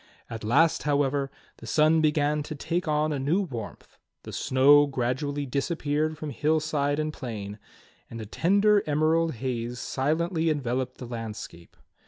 At last, however, the sun began to take on a new warmth, the snow gradually disappeared from hillside and plain, and a tender emerald haze silently enveloped the landscape.